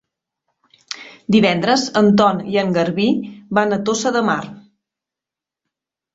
Divendres en Ton i en Garbí van a Tossa de Mar.